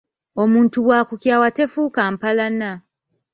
Omuntu bw'akukyawa tefuuka mpalana.